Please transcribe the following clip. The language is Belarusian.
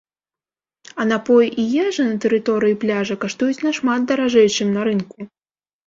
А напоі і ежа на тэрыторыі пляжа каштуюць нашмат даражэй, чым на рынку.